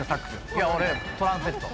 いや俺トランペット。